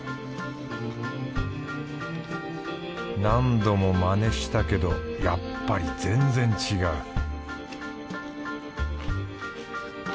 何度もまねしたけどやっぱり全然違う